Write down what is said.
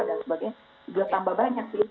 sudah tambah banyak